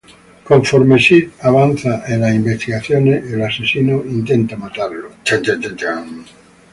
Conforme Sid avanza en las investigaciones, el asesino intenta matarlo.